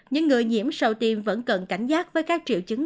những người nhiễm sau tiêm vẫn cần cảnh giác với các triệu chứng